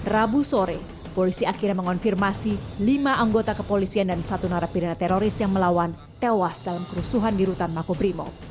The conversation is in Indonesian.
rabu sore polisi akhirnya mengonfirmasi lima anggota kepolisian dan satu narapidana teroris yang melawan tewas dalam kerusuhan di rutan makobrimob